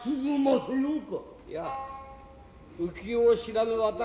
いや浮世を知らぬ私